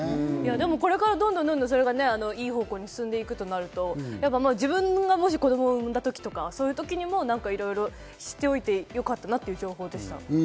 けど、これからどんどんと良い方向に進んでいくとなると、自分がもし子供を産んだ時とか、そういう時にも知っておいてよかったなという情報でした。